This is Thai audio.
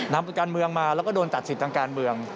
นำการเมืองมาแล้วก็โดนตัดสิทธิ์ทางการเมือง